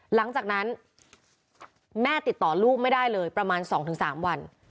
หลังจากนั้นแม่ติดต่อลูกไม่ได้เลยประมาณ๒๓วัน